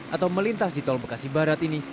atau melintas di tol bekasi barat ini